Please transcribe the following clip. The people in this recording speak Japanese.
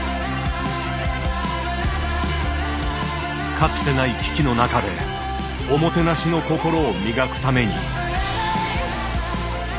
かつてない危機の中で「おもてなし」の心を磨くために。